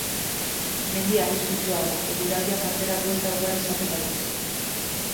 Mendi arriskutsua da, eguraldiak atzera buelta ugari izaten baititu.